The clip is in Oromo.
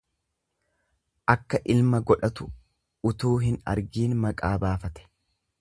Akka ilma godhatu utuu hin argiin maqaa baafate.